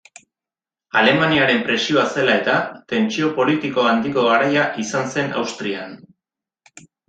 Alemaniaren presioa zela-eta, tentsio politiko handiko garaia izan zen Austrian.